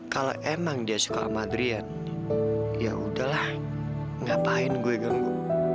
kalau emang dia suka sama adrian ya udahlah ngapain gue ganggu